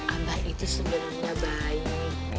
abah itu sebenarnya baik